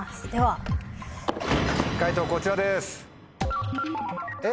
解答こちらです。